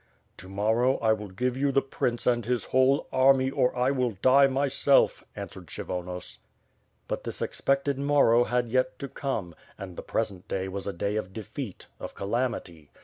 "To morrow I will give you the prince and his whole army or I will die myself," answered Kshyvonos. But this expected morrow had yet to come, and the present day was a day of defeat, of calamity.